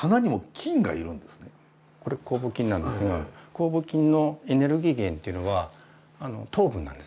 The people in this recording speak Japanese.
これ酵母菌なんですが酵母菌のエネルギー源というのは糖分なんです。